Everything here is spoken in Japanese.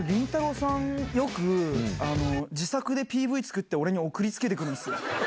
さん、よく、自作でＰＶ作って俺に送りつけてくるんですよ。